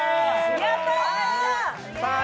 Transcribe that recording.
やったー！！